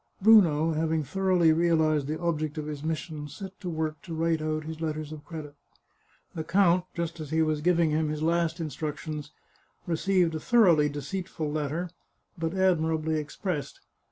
Bruno, having thoroughly realized the object of his mission, set to work to write out his letters of credit. The count, just as he was giving him his last instructions, re ceived a thoroughly deceitful letter, but admirably expressed.